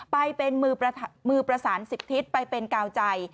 ไปเป็นมือประสาน๑๐ทิศไปเป็นกาวใจ